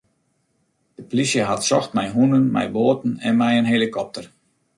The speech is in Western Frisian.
De plysje hat socht mei hûnen, mei boaten en mei in helikopter.